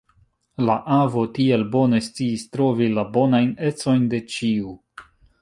La avo tiel bone sciis trovi la bonajn ecojn de ĉiu!